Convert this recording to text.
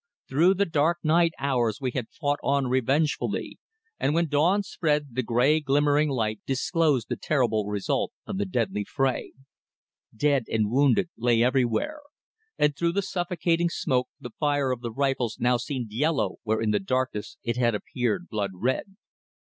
Through the dark night hours we had fought on revengefully, and when dawn spread the grey glimmering light disclosed the terrible result of the deadly fray. Dead and wounded lay everywhere, and through the suffocating smoke the fire of the rifles now seemed yellow where in the darkness it had appeared blood red.